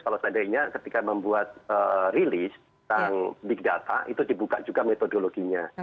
kalau seandainya ketika membuat rilis tentang big data itu dibuka juga metodologinya